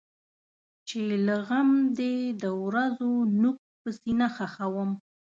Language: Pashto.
چې له غم دی د ورځو نوک په سینه خښوم.